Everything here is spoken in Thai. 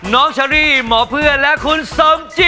เชอรี่หมอเพื่อนและคุณสมจิต